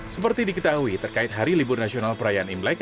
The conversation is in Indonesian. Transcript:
seperti diketahui terkait hari libur nasional perayaan imlek